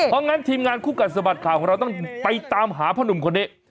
เพราะงั้นทีมงานคู่กัดสะบัดข่าวของเราต้องไปตามหาพ่อหนุ่มคนนี้